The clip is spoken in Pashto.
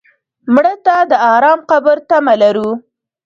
مړه ته د ارام قبر تمه لرو